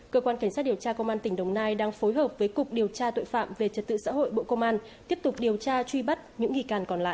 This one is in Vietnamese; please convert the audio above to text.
cơ quan cảnh sát điều tra công an tỉnh đồng nai đang phối hợp với cục điều tra tội phạm về trật tự xã hội bộ công an tiếp tục điều tra truy bắt những nghi can còn lại